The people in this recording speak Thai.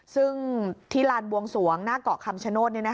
ซึ่งที่ลานบวงสวงหน้าเกาะคำชโนธ